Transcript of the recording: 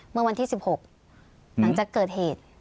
เมื่อวันที่๑๖หลังจากเกิดเหตุ